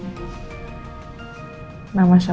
mama sama sekali tidak merepotkan aku ataupun bahasa aku